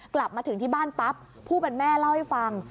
กลับมาถึงที่บ้านปั๊บผู้เป็นแม่เล่าให้ฟัง